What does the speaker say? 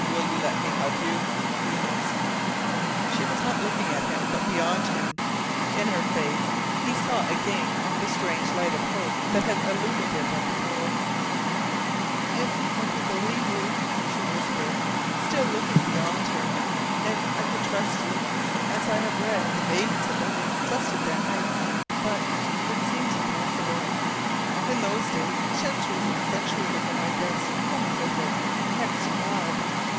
"Will you let me help you?" he asked. She was not looking at him, but beyond him. In her face he saw again the strange light of hope that had illumined it at the pool. "If I could believe," she whispered, still looking beyond him. "If I could trust you, as I have read that the maidens of old trusted their knights. But it seems impossible. In those days, centuries and centuries ago, I guess, womanhood was next to God.